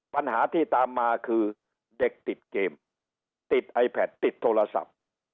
ปัญหาที่ตามมาคือเด็กติดเกมติดไอแพทติดโทรศัพท์